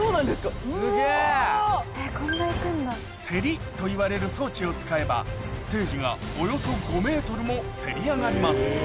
せりといわれる装置を使えばステージがおよそ５ｍもせり上がります